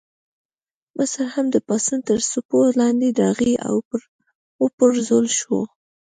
مصر هم د پاڅون تر څپو لاندې راغی او وپرځول شو.